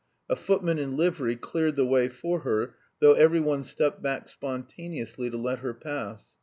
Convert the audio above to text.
A footman in livery cleared the way for her, though every one stepped back spontaneously to let her pass.